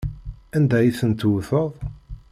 Anda ay ten-tewteḍ?